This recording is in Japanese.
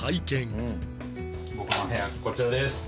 僕の部屋はこちらです。